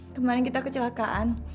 kemarin kita kecelakaan